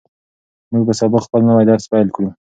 موږ به سبا خپل نوی درس پیل کړو.